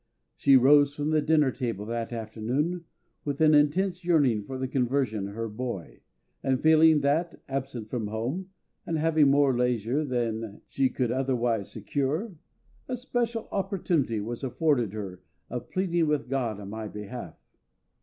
She rose from the dinner table that afternoon with an intense yearning for the conversion of her boy, and feeling that absent from home, and having more leisure than she could otherwise secure a special opportunity was afforded her of pleading with GOD on my behalf.